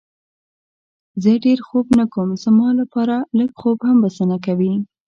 زه ډېر خوب نه کوم، زما لپاره لږ خوب هم بسنه کوي.